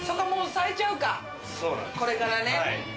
これからね。